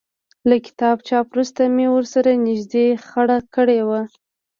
له کتاب چاپ وروسته مې ورسره نږدې خړه کړې وه.